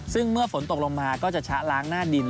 ซึ่งเมื่อฝนตกลงมาก็จะชะล้างหน้าดิน